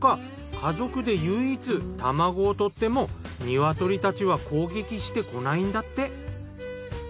家族で唯一卵を取ってもニワトリたちは攻撃してこないんだって。